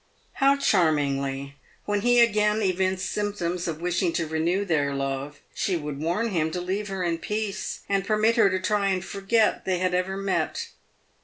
How charmingly, when he again evinced symptoms of wishing to renew their love, she would warn him to leave her in peace, and permit her to try and forget they had ever met.